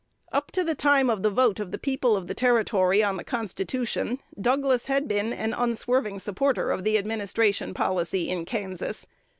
Up to the time of the vote of the people of the Territory on the constitution, Douglas had been an unswerving supporter of the administration policy in Kansas.